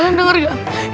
kalian denger gak